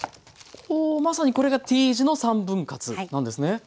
ほおまさにこれがＴ字の３分割なんですね。